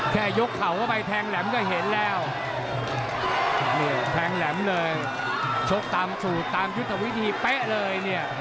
แค่ยกเข่าเข้าไปแทงแหลมก็เห็นแล้วเนี่ยแทงแหลมเลยชกตามสูตรตามยุทธวิธีเป๊ะเลยเนี่ย